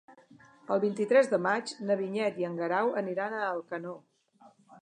El vint-i-tres de maig na Vinyet i en Guerau aniran a Alcanó.